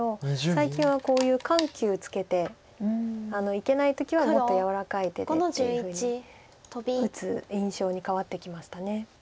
最近はこういう緩急つけていけない時はもっと柔らかい手でっていうふうに打つ印象に変わってきました。